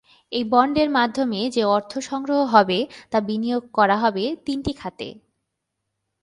এই বন্ডের মাধ্যমে যে অর্থ সংগ্রহ হবে, তা বিনিয়োগ করা হবে তিনটি খাতে।